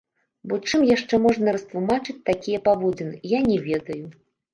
Бо чым яшчэ можна растлумачыць такія паводзіны, я не ведаю.